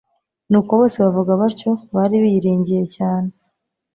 Nuko bose bavuga batyo.» Bari biyiringiye cyane,